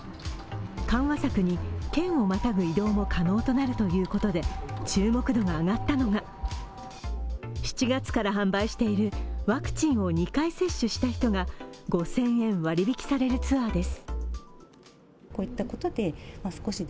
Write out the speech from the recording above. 緩和策に県をまたぐ移動も可能となるということで注目度が上がったのが７月から販売しているワクチンを２回接種した人が５０００円割引されるツアーです。